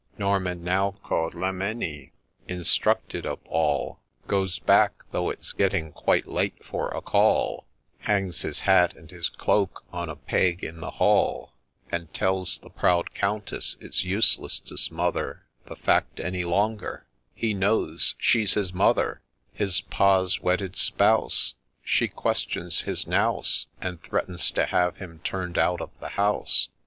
Norman, now call'd Le Mesnil, instructed of all, Goes back, though it 'a getting quite late for a call, Hangs his hat and his cloak on a peg in the hall, And tells the proud Countess it's useless to smother The fact any longer — he knows she 's his Mother 1 His Pa's wedded Spouse, — She questions his vovs, And threatens to have him turn'd out of the house.